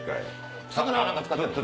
魚は何か使ってんの？